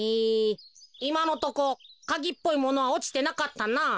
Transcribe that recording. いまのとこカギっぽいものはおちてなかったなあ。